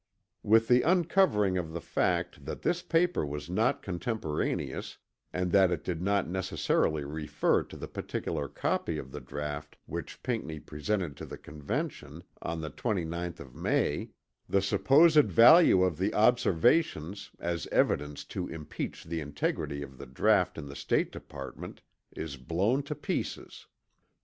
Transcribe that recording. With the uncovering of the fact that this paper was not contemporaneous, and that it did not necessarily refer to the particular copy of the draught which Pinckney presented to the Convention on the 29th of May, the supposed value of the Observations as evidence to impeach the integrity of the draught in the State Department is blown to pieces.